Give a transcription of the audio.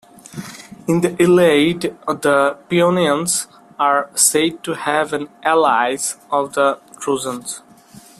In the Iliad the Paeonians are said to have been allies of the Trojans.